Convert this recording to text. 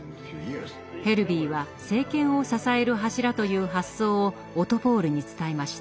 ヘルヴィーは「政権を支える柱」という発想をオトポール！に伝えました。